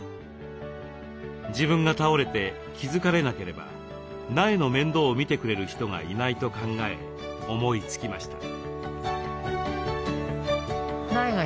自分が倒れて気付かれなければ苗の面倒をみてくれる人がいないと考え思いつきました。